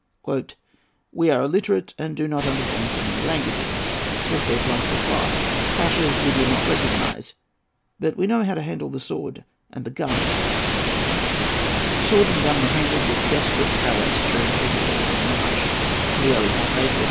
"We are illiterate, and do not understand so many languages," was their blunt reply; "pashas we do not recognize; but we know how to handle the sword and gun."[A] [Footnote A: Ibid.] Sword and gun were handled with desperate prowess during February and March and the early part of April.